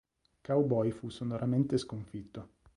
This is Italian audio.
Cowboy fu sonoramente sconfitto.